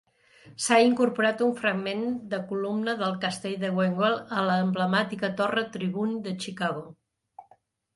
S'ha incorporat un fragment de columna del Castell de Wawel a l'emblemàtica Torre Tribune de Chicago.